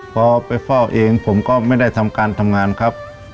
พอไปฟอกเองผมก็ไม่ได้ทำการทำงานครับ